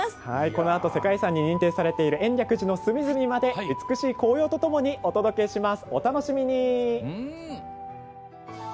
このあと、世界遺産に認定されている比叡山延暦寺の美しい紅葉とともにお届けします、お楽しみに！